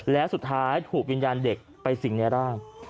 แล้วสุดท้ายถูกวิญญาณเด็กไปสิ่งในร่าง